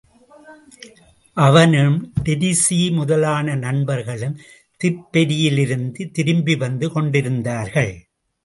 அவனும் டிரீஸி முதலான நண்பர்களும் திப்பெரரியிலிருந்து திரும்பிவந்து கொண்டிருந்தார்கள்.